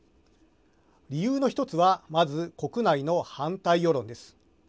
理由の１つはまず国内の反対世論です。